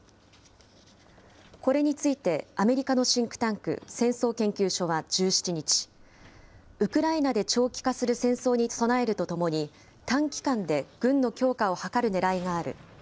これについてアメリカのシンクタンク、戦争研究所は１７日、ウクライナで長期化する戦争に備えるとともに、短期間で軍の強化を図るねらいがある。